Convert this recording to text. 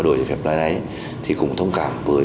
đưa ra một văn bản thực thi